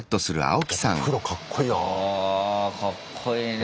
あかっこいいね。